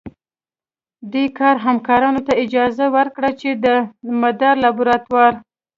دې کار همکارانو ته اجازه ورکړه چې د مدار لابراتوار